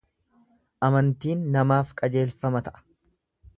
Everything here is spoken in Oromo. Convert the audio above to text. Amantiin namaaf qajeelfama ta’a.